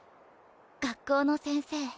学校の先生。